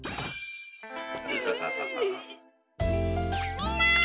みんな！